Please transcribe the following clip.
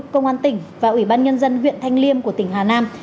công an tỉnh và ủy ban nhân dân huyện thanh liêm của tỉnh hà nam